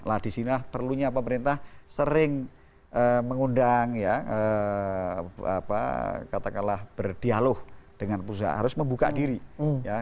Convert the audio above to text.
nah disinilah perlunya pemerintah sering mengundang ya apa katakanlah berdialog dengan pusat harus membuka diri ya